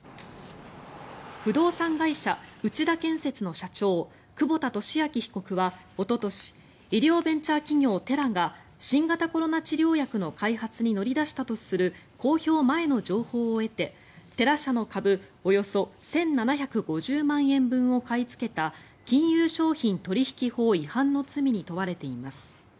不動産会社、内田建設の社長久保田俊明被告はおととし、医療ベンチャー企業テラが新型コロナ治療薬の開発に乗り出したとする公表前の情報を得てテラ社の株およそ１７５０万円分を買い付けた金融商品取引法違反の罪に問われています。